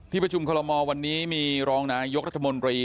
ที่ประชุมคลมอล์วันนี้มีรองนายกระทรัฐมนตรี